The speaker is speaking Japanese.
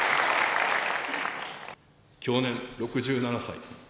享年６７歳。